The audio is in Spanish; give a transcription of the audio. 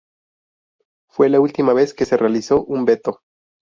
Fue la última vez que se realizó un veto.